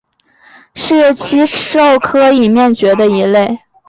是鬣齿兽科已灭绝的一类。